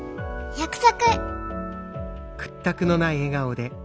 約束。